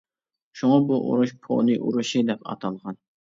شۇڭا، بۇ ئۇرۇش «پونى ئۇرۇشى» دەپ ئاتالغان.